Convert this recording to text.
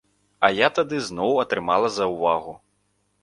А я тады зноў атрымала заўвагу.